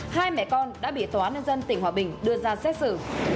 hai mẹ con đã bị tòa nâng dân tỉnh hòa bình đưa ra xét xử